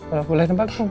udah boleh nebak belum